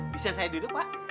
bisa saya duduk pak